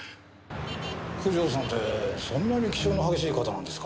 九条さんってそんなに気性の激しい方なんですか？